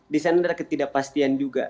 di sana ada ketidakpastian juga